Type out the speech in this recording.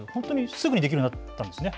すぐにできるようになったんですね。